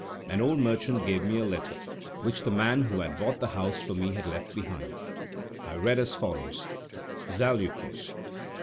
An old merchant gave me a letter, which the man who had bought the house for me had left behind. I read as follows: "Zaleukos!